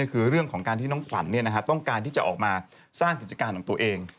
ก็คือเรื่องของการที่น้องขวัญต้องการที่จะออกมาสร้างกิจการของตัวเอง